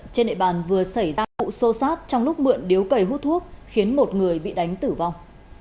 trên nệ bàn vừa xảy ra vụ sô sát trong lúc mượn điếu cầy hút thuốc khiến một người bị đánh tử vong